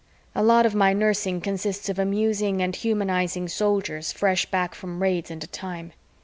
A lot of my nursing consists of amusing and humanizing Soldiers fresh back from raids into time.